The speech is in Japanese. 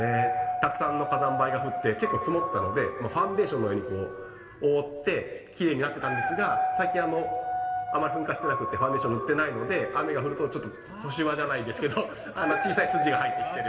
たくさんの火山灰が降って、結構、積もったので、ファンデーションのように覆って、きれいになってたんですが、最近、あまり噴火してなくって、ファンデーション塗ってないので、雨が降ると、ちょっと年増じゃないですけど、小さい筋が入ってきている。